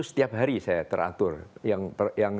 setiap hari saya teratur yang